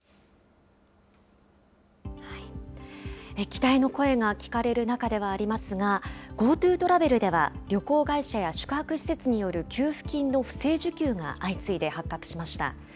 期待の声が聞かれる中ではありますが、ＧｏＴｏトラベルでは、旅行会社や宿泊施設による給付金の不正受給が相次いで発覚しました。